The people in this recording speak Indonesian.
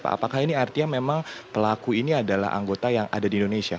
apakah ini artinya memang pelaku ini adalah anggota yang ada di indonesia